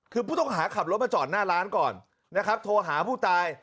คือผู้ต้องหาขับรถมาจอดหน้าร้านก่อนนะครับโทรหาผู้ตาย